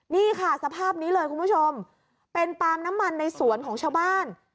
นี่ค่ะสภาพนี้เลยคุณผู้ชมเป็นปาล์มน้ำมันในสวนของชาวบ้าน